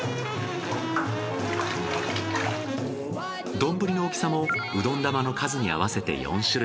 どんぶりの大きさもうどん玉の数に合わせて４種類。